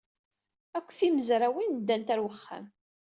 Akk timezrawin ddant ɣer uxxam.